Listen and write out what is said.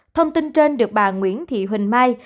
thông tin trên được bà nguyễn thị huỳnh mai